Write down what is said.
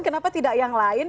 kenapa tidak yang lain